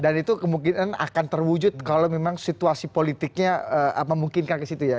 dan itu kemungkinan akan terwujud kalau memang situasi politiknya memungkinkan ke situ ya